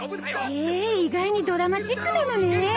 へえ意外にドラマチックなのねえ。